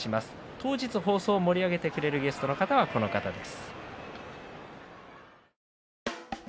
当日の放送を盛り上げてくれるゲストの方は、この方です。